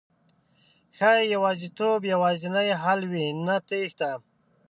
ښایي يوازېتوب یوازېنی حل وي، نه تېښته